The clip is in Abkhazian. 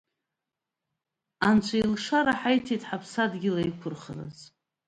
Анцәа алшара ҳаиҭеит Ҳаԥсадгьыл аиқәырхара.